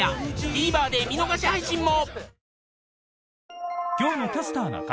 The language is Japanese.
ＴＶｅｒ で見逃し配信も！